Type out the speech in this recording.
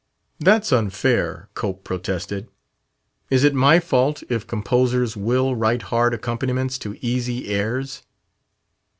"That's unfair," Cope protested. "Is it my fault if composers will write hard accompaniments to easy airs?"